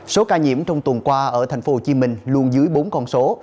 số ca nhiễm trong tuần qua ở tp hcm luôn dưới bốn con số